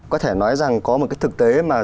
có thể nói rằng có một cái thực tế mà